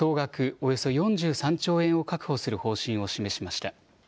およそ４３兆円を確保する方針を示しました。